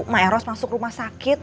mak eros masuk rumah sakit